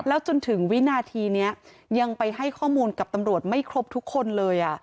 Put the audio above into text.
แล้วจนถึงวินาทีนี้ยังไปให้ข้อมูลกับตำรวจไม่ครบทุกคนเลย